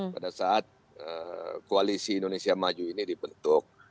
pada saat koalisi indonesia maju ini dibentuk